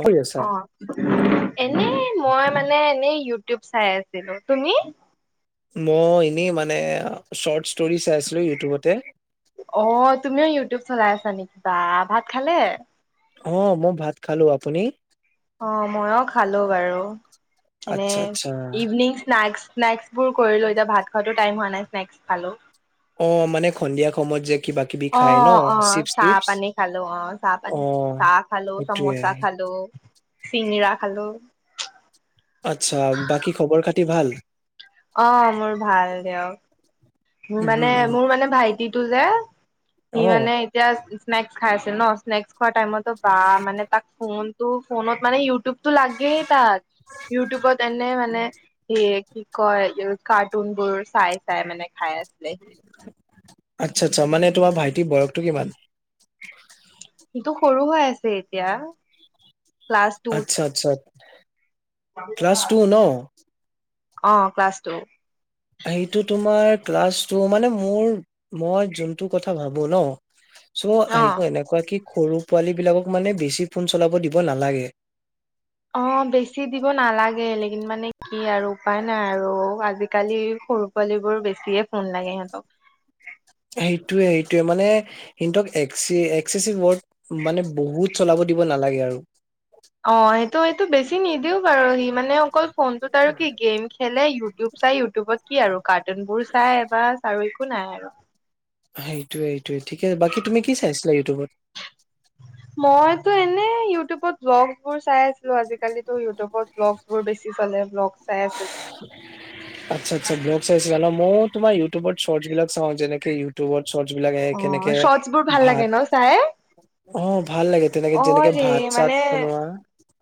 কৰি আছা? অ। এ এনে মই মানে এনেই ইউটিউব চাই আছিলোঁ তুমি? মই এনেই মানে চৰ্টছ অ তুমিও ইউটিউব চলাই আছা। নেকি বা ভাত খালে? অ মই ভাত খালোঁ আপুনি? অ মইও খালোঁ বাৰু এনে আচ্ছা আচ্ছা, ইভিনিং স্নেক্স। স্নেক্স বোৰ কৰিলোঁ এতিয়া ভাত খোৱাতো টাইম হোৱা নাই স্নেকস খালোঁ। অ মানে সন্ধিয়া সময়ত যে। কিবা কিবি অ খাই ন অ চিপছ চাহ টিপছ। পানী খালোঁ অ চাহ পানী অ'। চাহ খালোঁ, সেইটোয়ে, চামোচা খালোঁ। চিঙৰা খালোঁ। আচ্ছা, বাকী খবৰ খাতি ভাল? অ মোৰ ভাল দেক উম, উম, মানে উম। মোৰ মানে ভাইটিটো যে সি অ', মানে এতিয়া স্নেকস খাই আছিল ন স্নেকস খোৱা টাইমতো বা মানে তাক ফোন ত' ফোনত মানে ইউটিউবটো লাগেই তাত ইউটিউবত এনে মানে সে কি কয় কাৰ্টুন বোৰ চাই চাই মানে খাই আছিলে। আচ্ছা আচ্ছা মানে তোমাৰ ভাইটিৰ বয়সটো কিমান? ইটো সৰু হৈ আছে এতিয়া। ক্লাছ টুত আচ্ছা আচ্ছা ক্লাছ টু ন। অ ক্লাছ টু। সেইটো তোমাৰ ক্লাছ মানে মোৰ মই যোনটো কথা ভাবো ন চ' অ আহ এনেকুৱা কি সৰু পোৱালী বিলাকক মানে বেছি ফোন চলাব দিব নালাগে। দিন মানে কি আৰু উপায় নাই আৰু আজিকালি সৰু পোৱালী বোৰ বেছিয়ে ফোন লাগে সিহঁতক। উ সেইটোয়ে সেইটোয়ে মানে সিহতক এক্সি চি ৱৰ্ড মানে বহুত চলাব দিব নালাগে আৰু। অ সেইটো সেইটো বেছি নিদিও বাৰু সি মানে অকল ফোনটোত আৰু কি গেম খেলে ইউটিউব চাই ইউটিউবত কি আৰু কাৰ্টুন বোৰ চাই বা চ আৰু একো নাই আৰু সেইটোৱেই সেইটোৱে ঠিক আছে বাকী তুমি কি চাইছিলা ইউটিউবত মইতো এনেই ইউটিউবত ভ্লগছ বোৰ চাই আছিলো আজিকালিতো ইউটিউবত ভ্লগছ বোৰ বেছি চলে ভ্লগ আচ্চা আচ্চা ভ্লগ চাইছিলা ন ময়ো তোমাৰ ইউটিউবৰ স্বটছ বিলাক চাওঁ যেনেকে ইউটিউবত চটৰ্ছ বিলাক আহ অ কেনেকে শৰ্টছ বোৰ ভাল লাগে ভাত ন চাই অ ভাল লাগে তেনেকে অ যেনেকে ৰে ভাত চাত মানে বনোৱা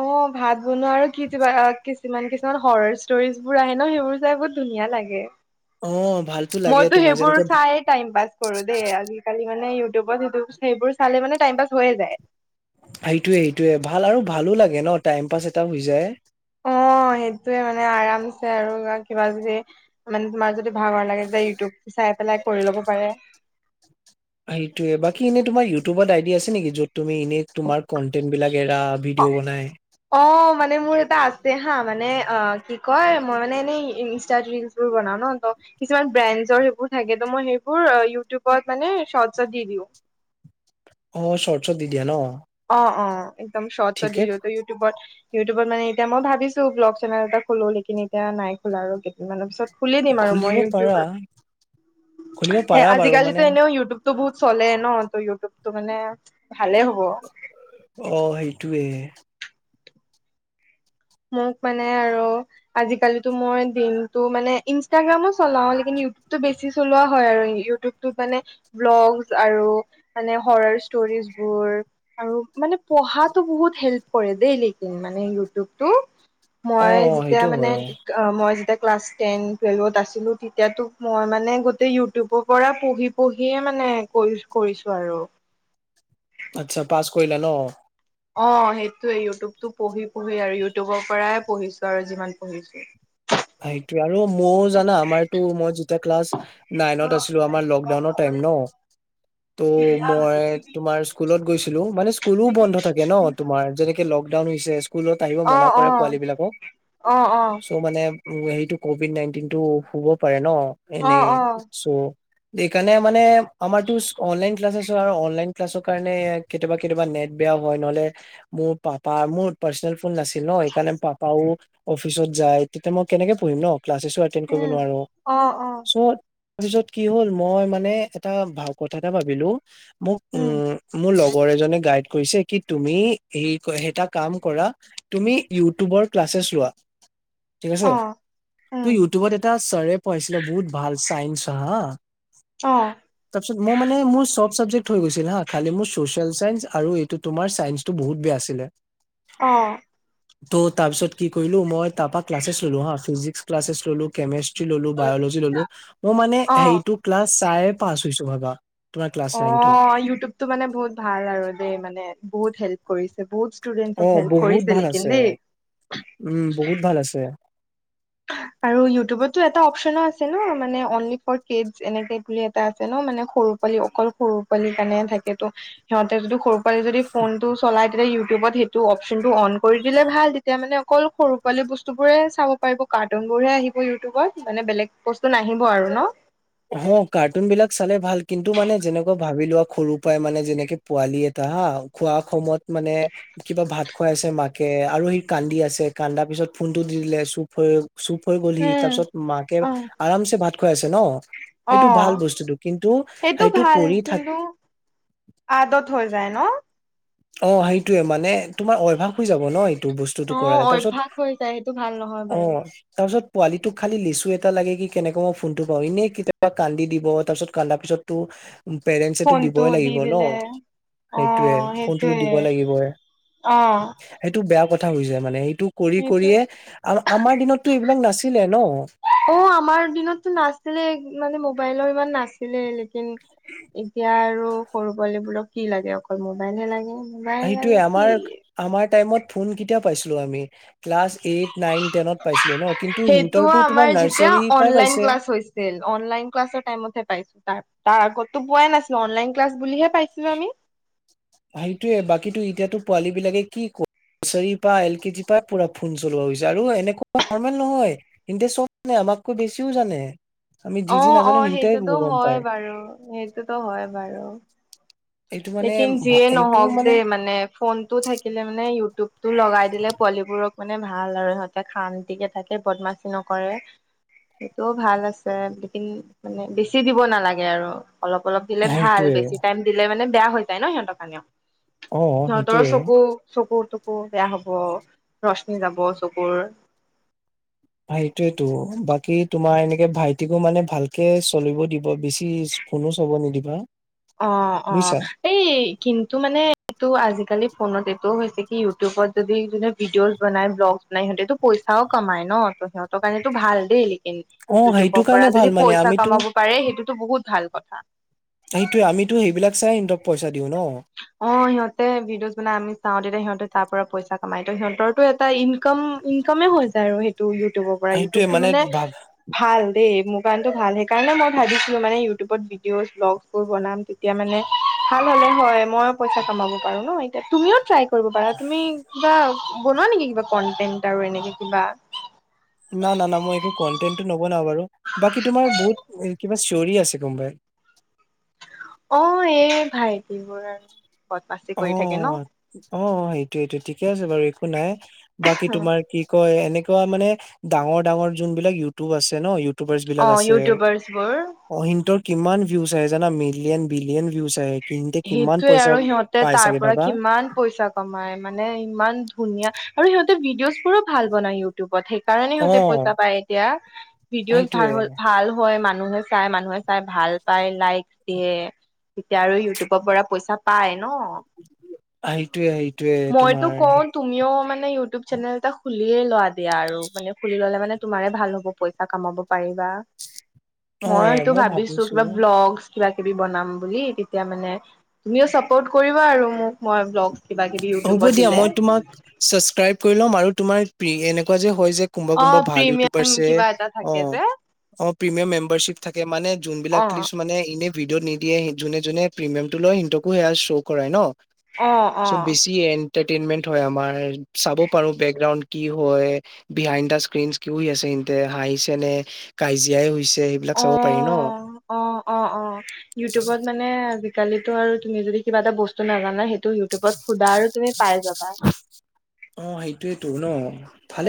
অ ভাত বনোৱা আৰু কি কিবা কিছুমান কিছুমান কিছুমান হৰৰ ষ্টৰিজ বোৰ আহে ন সেইবোৰ চাই বহুত ধুনীয়া লাগে অ ভালতো লাগে মইতো তোমাৰ সেইবোৰ যেনেকে চাই টাইম পাছ কৰো দেই আজিকালি মানে ইউটিউবত সেইটো সেইবোৰ চালে মানে টাইম পাছ হৈয়ে যায় সেইটোয়ে সেইটোয়ে ভাল আৰু ভালো লাগে লাগে ন টাইম পাছ এটা হৈ যায় অ সেইটোয়ে মানে আৰামছে আৰু কিবা যদি মানে তোমাৰ যদি ভাগৰ লাগে যে ইউটিউব চাই পেলাই কৰি ল'ব পাৰে সেইটোয়ে বাকী এনে তোমাৰ ইউটিউবত আইডিয়া আছে নেকি য'ত তুমি এনেই তোমাৰ কন্টেন্ট বিলাক এৰা ভিডিঅ' বনাই অ মানে মোৰ এটা আছে হা মানে অ কি কয় মই মানে এনেই ইনষ্ট্ৰাত ৰিল্চছ বোৰ বনাও ন ত কিছুমান ব্ৰেণ্ডচৰ সেইবোৰ থাকে ত মই সেইবোৰ ইউটিউবত মানে চৰ্ট'চ দি দিওঁ [inaudible] অ চৰ্ট'চ অত দি দিয়া ন অ অ একদম চৰ্ট'চ ত দি ঠিকে দিওঁ ইউটিউবত ইউটিউবত মানে এতিয়া মই ভাবিছো ব্লগ চেনেল এটা খুলো নেকি এতিয়া নাই খোল আৰু কেইদিনমানৰ পিছত খুলি দিম আৰু মই খুলিব পাৰা ইউটিউবত খুলিব এ পাৰা বাৰু মানে আজিকালিটো এনেও ইউটিউব তো বহুত চলে ন ত ইউটিউব টো মানে ভালে হ'ব অ সেইটোৱে মোক মানে আৰু আজিকালিটো মই দিনতটো মানে ইনষ্টাগ্ৰামো চলাও লে কিন ইউটিউবটো বেছি চলোৱা হয় আৰু ইউটিউবটোত মানে ব্লগ আৰু হৰৰ ষ্ট'ৰী ষ্ট'ৰী বোৰ আৰু মানে পঢ়াত ও বহুত হেল্প কৰে দেই লেকিন মানে ইউটিউব টো অ মই যেতিয়া সেইটো মানে হয় মই যেতিয়া ক্লাছ টেন টুৱেলভত আছিলোঁ তেতিয়াতো মই মানে গোটেই ইউটিউবৰ পৰা পঢ়ি পঢ়িয়ে মানে এ কৰিছ কৰিছো আৰু আচ্ছা পাছ কৰিলা ন অ সেইটোৱে ইউটিউবটো পঢ়ি পঢ়ি আৰু ইউটিউবৰ পৰাই পঢ়িছো আৰু যিমান পঢ়িছো সেইটোয়ে আৰু ময়ো জানা আমাৰতো মই যেতিয়া ক্লাছ অ নাইনত আছিলো আমাৰ লকডাউনৰ টাইম ন ত' মই তোমাৰ স্কুলত গৈছিলো মানে স্কুলো বন্ধ থাকে ন তোমাৰ যেনেকে লগ। ডাউন হৈছে স্কুলত আহিব অ মনা কৰে পোৱালি বিলাকক অ চ মানে। সেইটো কভিড নাইনটিন টো শুব পাৰে ন অ অ এনে অ চ'। সেইকাৰণে মানে আমাৰ টো অনলাইন ক্লাছ চেছ হয় আৰু অনলাইন ক্লাছৰ কাৰণে কেতিয়াবা কেতিয়াবা নেট বেয়া। হয় নহ'লে মোৰ পাপা মোৰ পাৰ্চনেল ফোন নাছিল ন সেইকাৰণে পাপাও অফিচত যায়। তে মই কেনেকে পঢ়িম ন ক্লাচছেচ ও এটেণ্ড কৰিব উম নোৱাৰো অ অ চ'। ত পিছত কি হল মই মানে এটা ভাল কথা এটা ভাবিলো মোক উ উম মোৰ লগ। লগৰ এজনে গাইড কৰিছে কি তুমি এই এটা কাম কৰা তুমি ইউটিউবৰ ক্লাচ। ক্লাছ লোৱা। [unintelligible] ঠিক আছে তই উম ইউটিউবত এটা ছাৰে পঢ়াইছিলে বহুত ভাল চাইন্ঞ্চ হা। অ তাৰপিছত মোৰ মানে মোৰ চব। ছবজেক্ট হৈ গৈছিল হা খালি মোৰ চচিয়েল চাইন্স আৰু এইটো তোমাৰ চাইন্সটো বহুত বেয়া আছিলে। অ। ত' তাৰ পিছত কি কৰিলো মই তাৰ পৰা ক্লাছ ললো হা ফিজিক্স ক্লাছছ ললো কেমেষ্টি লো বায়লজি ললো মই মানে অ হ ক্লাছ চায়ে পাছ হৈছো ভাবা। তোমাৰ ক্লাছ অ নাইনটো ইউটিউবতটো মানে বহুত ভাল আৰু দেই মানে বহুত হেল্প কৰিছে। বহুত ষ্টুডেন্ট অ চব হেল্প বহুত কৰিছিলে ভাল লেকিন আছে দেই। উম বহুত ভাল আছে আৰু ইউটিউবতো এটা অপচন আছে ন মানে অনলি ফৰ কিডছ এনেকে বুলি এটা আছে ন। মানে সৰু পোৱালি অকল সৰু পোৱালি কাৰণে থাকেতো সিহঁতে যদি সৰু পৰাই যদি ফোন টো চলাই তেতিয়া। তি ইউটিউবত সেইটো অপশচনটো অন কৰি দিলে ভাল তেতিয়া মানে অকল সৰু পোৱালী বস্তুবোৰে চাব। কাৰ্টুন বোৰ হে আহিব ইউটিউবত মানে বেলেগ বস্তু নাহিব আৰু ন। অ কাৰ্টুন বিলাক চালে ভাল কিন্তু মানে যেনেকুৱা ভাবি লোৱা সৰু পৰাই মানে যেনেকে পোৱালি এটা হা খোৱা সময়ত মানে কিবা ভাত খাই আছে মাকে। আৰু সি কান্দি আছে কান্দাৰ পিছত ফোনটো দি দিলে চুপ হৈ। চুপ হৈ গলহি তাৰ উম পিছত মাকে অ আৰামছে ভাত খুৱাই আছে ন। অ সেইটো ভাল বস্তুটো কিন্তু সেইটো ভাল কৰি থাক। কিন্তু আদত হৈ যায় ন। অ সেইটোয়ে মানে তোমাৰ অভ্যাস হৈ যাব ন। ত বস্তুটো অ কৰালোই তাৰপিছত অভ্যাস হৈ যায় সেইটো ভাল নহয় অ বাৰু তাৰপিছত। পোৱালিটোক খালি লিচু এটা লাগে কি কেনেকৈ মই ফোনটো পাওঁ এনেই কেতিয়াবা কান্দি দিব তাৰপিছত কান্দাৰ পিছতো। পেৰেন্টচটো ফোনটো দিবই দি লাগিব ন দিলে অ সেইটোয়ে। ফোনটো সেইটোয়ে দিব লাগিব অ সেইটো বেয়া কথা হৈছে মানে। টো কৰি সেইটো কৰিয়ে আ আমাৰ দিনতো এইবিলাক নাছিলে ন। অ আমাৰ দিনতটো নাছিলে মানে মোবাইলৰ। মান নাছিলে লেকিন এতিয়া আৰু সৰু পোৱালিবোৰক। কি লাগে অকল মোবাইলে লাগে। মোবাইল আৰু সেইটোয়ে কি আমাৰ আমাৰ টাইমত ফোন কেতিয়া পাইছিলো আমি। ক্লাছ এইট নাইন তেনত পাইছিলো ন কিন্তুি সেইটো সিহঁতৰটো আমাৰ তোমাৰ যেতিয়া নাৰ্চাৰী পৰা অনলাইন পাইছে। ক্লাছ হৈছিল অনলাইন ক্লাছৰ টাইমত হে পাইছো তাৰ তাৰ আগতো পোৱাই নাছিলো অনলাইন ক্লাছ বুলিহে। পাইছিলো আমি সেইটোৱে বাকীটো এতিয়াতো পোৱালী বিলাকে কি ক। নাৰ্চাৰী পৰা এল কে জি পৰা পুৰা ফোন চলোৱা হৈছে আৰু এনেকুৱা নৰ্মেল নহয় কিন্তে চব। অমাতকৈ বেছিও জানে। আমি যি যি অহ নাজানো অহ সিহতে সেইটোতো গম হয় পায় বাৰু সেইটোতো হয় বাৰু। এইটো মানে লেকিন যিয়ে ভা- এইটো নহক দেই মানে ফোনতটো থাকিলে মানে ইউটিউবতটো লগাই দিলে পোৱালিবোৰক। মানে ভাল আৰু সিহঁতে শান্তিকে থাকে বদমাচি নকৰে। সেইটোও ভাল আছে লেকিন মানে বেছি দিব নালাগে আৰু। অলপ অলপ দিলে ভাল সেইটোয়ে বেছি টাইম দিলে মানে বেয়া হৈ যায় ন সিহঁতৰ কাৰণেও। অ সিহঁতৰো সেইটোয়ে চকু চকু উ। চকু বেয়া হব ৰশ্মি যাব চকুৰ। সেইটোয়েতো বাকী তোমাৰ এনেকে ভাইটিকো মানে ভালকে চলিব দিব বেছি। ফোনো চাব নিদিবা। অ অ বুজিছা এই কিন্তু মানে এইটো আজি আজিকালি ফোনত এইটোও হৈছে কি ইউটিউবত যদি যোনে ভিডিঅজ বনাই ব্লগছ বনাই সিঁতেতো পইচাও কমায় ন। ন ত সিহঁতৰ কাৰণেতো ভাল দেই। অ সেইটো ইউটিউবৰ পৰা কাৰণে যদি ভাল মানে পইচা আমিতো কমাব পাৰে সেইটোতো বহুত ভাল কথা। সেইটোয়ে আমিতো সেইবিলাক চাই সিহঁতক পইচা দিওঁ ন। অ সিহঁতে ভিডিঅ'জ বনাই আমি চাও তেতিয়া সিহঁতে তাৰ পৰা পইচা কামাই ত সিহঁতৰটো এটা ইনকম ইনকামে হৈ যায় আৰু সেইটো ইউটিউবৰ পৰা সেইটোয়ে ইউটিউবটো মানে ভাব ভাল দেই। মোৰ কাৰনেতো ভাল সেইকাৰণে মই ভাবিছিলো মানে ইউটিউবত ভিডিঅ' ব্লগছ বোৰ বনাম তেতিয়া মানে ভাল হলে হয় মই পইচা কমাব পাৰো ন এতিয়া তুমিও ট্ৰাই কৰিব পাৰা তুমি কিবা বনোৱা নেকি কিবা কন্টেন্ট আৰু এনেকে কিবা? না না না মই একো কনটেনটটো নবনা বাৰু বাকী তোমাৰ বহুত কিবা চিঞৰি আছে কোনবাই। অ এই ভাইটিবোৰ আৰু। বদমাচি অ কৰি থাকে ন অ সেইটোইটো ঠিকে আছে বাৰু একো নাই। বাকী তোমাৰ কি কয় এনেকুৱা মানে ডাঙৰ ডাঙৰ যোনবলাক ইউটিউব আছে ন ইব ইউটোৰ্বাচ অ বিলাক আছে। ইউটিউবাৰ্চ বোৰ অহিনত'ত কিমান ভিউজ আহে জানা মিলিয়েন বিলিয়েন ভিউজ আহে কিন্তে কিমান সেইটোয়ে পইচা আৰু সিহঁতে পাই তাৰ চাগে পৰা ভাবা কিমান পইচা কমাই মানে ইমান ধুনীয়া আৰু সিহতে ভিডিঅ' ভাল বনাই ইউটিউবত সেইকাৰণে অ সিহঁতে পইচা পায় এতিয়া। ভিডিঅ' সেইটোয়ে ভাল হয়, ম মানুহে চাই মানুহে চাই ভাল পায় লাইক দিয়ে তেতিয়া আৰু ইউটিউব পৰা পইচা পাই ন। সেইটোয়ে সেইটোয়ে মইতো তোমাৰ কওঁ তুমিও মানে মে ইউটিউব চেনেল এটা খুলিয়ে লোৱা দিয়া আৰু মানে খুলি ললে মানে তুমাৰে ভাল হ'ব পইচা কামাব পাৰিবা মই সটো ভাবিছো কিবা ব্লগ, কিবা কিবি বনাম বুলি তেতিয়া মানে তুমিও চাপৰ্ট কৰিবা আৰু মোক মই ব্লক হ'ব দিয়া মই তোমাক চাচক্সাইভ কৰিল'ম আৰু তোমাৰ প্ৰি এনেকুৱা যে হয় যে কোনবা অ কোনোবা ভাল প্ৰিমিয়াম ইউটিউবাৰছে কিবা এটা অ থাকে যে অ প্ৰিমিয়াম মেম্বাৰশিপ থাকে মানে যোনবিলাক অ ক্লিচ মানে এনে ভিডিঅ'ত নিদিয়ে যোনে যোনে প্ৰিমিয়াম টো লয় সিহতকো সেয়া শ্ব' কৰাই ন? অ অ চ বেছি এন টীনমেন্ট হয় আমাৰ চাব পাৰো বেকগ্ৰাউড কি হয়, বিহাইণ্ড দা স্ক্ৰীন কি আছে, তেন্তে হাঁহিছে নে কাজিয়াই হৈছে সেইবিলাক অ চাব পাৰি ন অ অ অ ইউটিউবত মানে আজিকালিতো আৰু তুমি যদি কিবা এটা বস্তু নাজানা সেইটো ইউটিউবত সোধা আৰু তুমি পাই যাবা। অ সেইটোয়েতো ন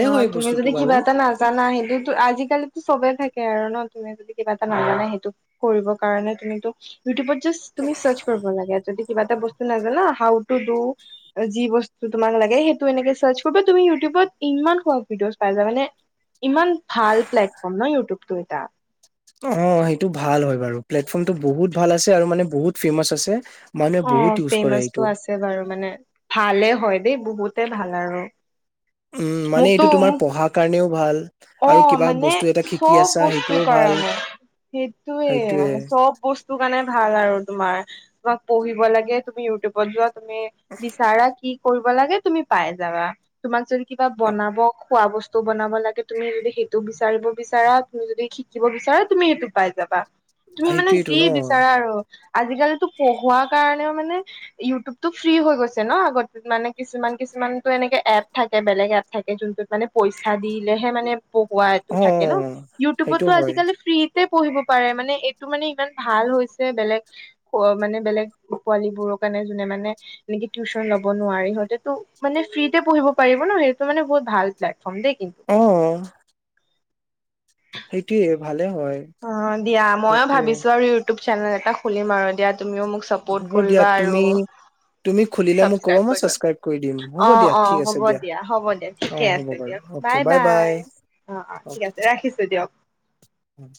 অ হয় এই তুমি বস্তুটো যদি বাৰু কিবা এটা নাজানা আহ এইটো আজিকালিতো চবে থাকে আৰু ন? তুমি যদি কিবা এটা নাজানে সেইটো কৰিবৰ কাৰণে তুমিতো ইউটিউবত জাষ্ট তুমি চচ কৰিব লাগে। যদি কিবা এটা বস্তু নাজান হাও টুু দু যি বস্তু তোমাক লাগে‌ সেইটো এনেকে চাৰ্চ তুমি সেইটো ইমান স ভিড'অচ পাই যায় মানে ইমান ভাল প্লেটফৰ্ম ন ইউটিউবতটো এটা। অ সেইটো ভাল হয় বাৰু প্লেটফৰ্মটো বহুত ভাল আছে, আৰু মানে বহুত ফেমাচ আছে, মানুহে অ বহুত ইউজ কৰে এইটো ফেমাচটো আছে বাৰু মানে ভালে হয়। দেই বহুতেই ভাল আৰু। উম মানে মোকতো এইটো তোমাৰ মোক পঢ়াৰ কাৰণেও ভাল, অ আৰু কিবা মানে বস্তু এটা শিকি চব আছা বস্তু সেইটোও কৰা ভাল হয়। সেইটোয়ে মানে চব বস্তু কাৰণে ভাল আৰু তোমাৰ তোমাক পঢ়িব লাগে তুমি ইউটিউবত যোৱা তুমি বিচাৰা কি? কৰিব লাগে তুমি পাই যাবা। তোমাক যদি কিবা বনাব খোৱা বস্তু বনাব লাগে তুমি যদি সেইটো বিচাৰিব বিচাৰা তুমি যদি শিকিব বিচাৰা তুমি সেইটো পাই যাবা। তুমি মানে সেইটোয়েতো যি ন বিচাৰা আৰু আজিকালিতো পঢ়োৱাৰ কাৰণেও মানে ইউটিউব টো ফ্ৰী হৈ গৈছে ন' আগত মানে কিছুমান- কিছু কিছমানটো এনেকে এপ থাকে বেলেগ এপ থাকে যোনটোত মানে পইচা দি দিলেহে মানে পঢ়োৱাটো অ থাকে ন' সেইটো ইউটিউবততো হয় আজিকালি ফ্ৰী পঢ়িব পাৰে মানে এইটো মানে ইমান ভাল হৈছে বেলেগ মানে বেলেগ পোৱালী বোৰক পঢ়িবকানে জুনে মানে মানে টিউচন লব নোৱাৰি সিহতে'তো মানে ফ্ৰীতে পঢ়িব পাৰিব ন 'সেইটো মানে ভাল প্লেটফৰ্ম দেই কিন্তু। অহ সেইটোৱে ভাল অহ, দিয়া মইও ভাবিছো আৰু ইউটিউব চেনেল এটা খুলিম আৰু দিয়া। তুমিও মোক চাপোৰ্ট হ'ব দিয়া কৰিবা আৰু তুমি তুমি খুলিলে মোক কবা চাবস্ক্ৰাইব মই কৰিবা ছাবস্ক্ৰাইব কৰি দিম অ', হ'ব দিয়া ঠিক অ', আছে হ'ব দিয়া হ'ব দিয়া অহ হ'ব বাৰু। অ'কে বাই- বাই। অহ - অহ ঠিক আছে ৰাখিছো দিয়ক। উম